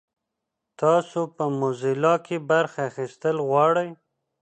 تاسو په موزیلا کې برخه اخیستل غواړئ؟